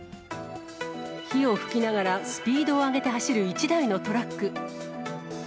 火を噴きながらスピードを上げて走る１台のトラック。